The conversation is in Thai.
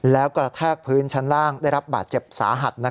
แล้วกระแทกพื้นชั้นล่างได้รับบาดเจ็บสาหัส